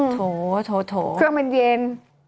โถเครื่องมันเย็น